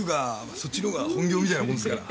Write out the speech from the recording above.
そっちのほうが本業みたいなもんですから。